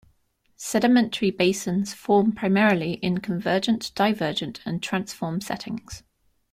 Sedimentary basins form primarily in convergent, divergent and transform settings.